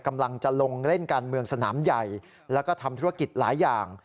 กำลังจะลงเล่นการเมืองสนามใหญ่แล้วก็ทำธุรกิจหลายอย่าง